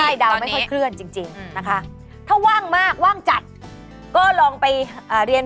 อยู่กับที่ตอนนี้